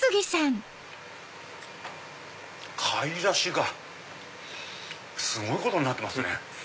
貝ダシがすごいことになってますね。